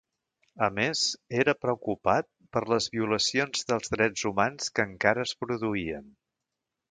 A més era preocupat per les violacions dels drets humans que encara es produïen.